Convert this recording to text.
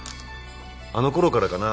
あのころからかな？